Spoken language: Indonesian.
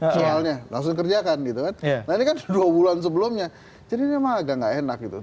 soalnya langsung kerjakan gitu kan eh lalu kedua bulan sebelumnya jadinya maga enak itu